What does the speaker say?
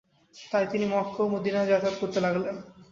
তাই তিনি মক্কা ও মদীনায় যাতায়াত করতে লাগলেন।